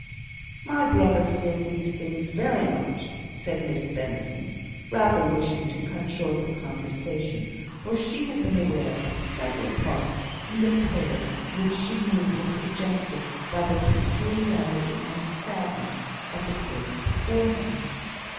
"My brother feels these things very much," said Miss Benson, rather wishing to cut short the conversation, for she had been aware of several parts in the prayer which she knew were suggested by the peculiarity and sadness of the case before him.